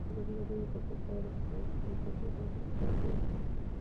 ازادي راډیو د کلتور په اړه د حقایقو پر بنسټ راپور خپور کړی.